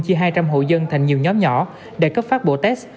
chia hai trăm linh hộ dân thành nhiều nhóm nhỏ để cấp phát bộ test